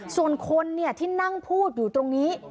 ส่วนคนที่นั่งพูดอยู่ตรงนี้